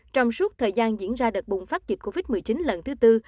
trong suốt thời gian diễn ra đợt bùng phát dịch covid một mươi chín lần thứ tư